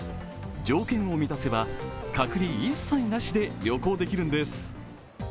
条件を満たせば隔離一切なしで旅行できるんです。